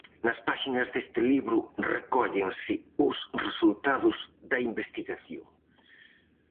Nas páxinas deste libro recóllense os resultados da investigación.